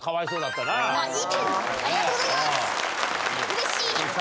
うれしい。